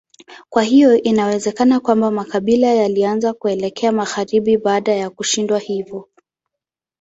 Kwa hiyo inawezekana kwamba makabila yalianza kuelekea magharibi baada ya kushindwa hivyo.